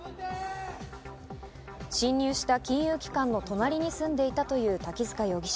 侵入した金融機関の隣に住んでいたという滝塚容疑者。